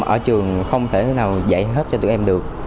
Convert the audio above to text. ở trường không thể thế nào dạy hết cho tụi em được